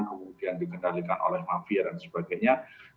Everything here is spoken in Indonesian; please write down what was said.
kemudian dikendalikan oleh mafia dan sebagainya